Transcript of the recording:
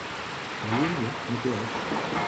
La llengua no té os.